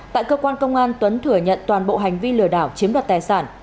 tại cơ quan công an tuấn thừa nhận toàn bộ hành vi lừa đảo chiếm đoạt tài sản